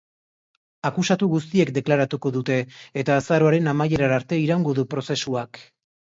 Akusatu guztiek deklaratuko dute, eta azaroaren amaierara arte iraungo du prozesuak.